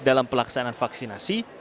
dalam pelaksanaan vaksinasi